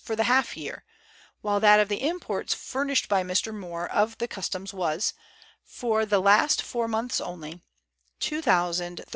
for the half year, while that of the imports furnished by Mr. Moore of the Customs was, for the last four months only, 2,037 15s.